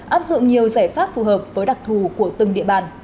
áp dụng nhiều giải pháp phù hợp với đặc thù của từng địa bàn